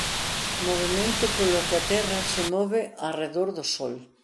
Movemento polo que a Terra se move arredor do Sol.